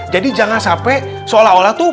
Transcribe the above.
jadi jangan sampai seolah olah tuh